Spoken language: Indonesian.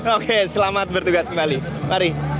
oke selamat bertugas kembali mari